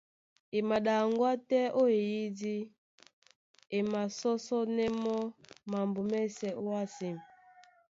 E maɗaŋgwá tɛ́ ó ó eyídí, e masɔ́sɔ́nɛ́ mɔ́ mambo mɛ́sɛ̄ ówásē.